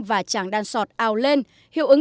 và tràng đan sọt ào lên hiệu ứng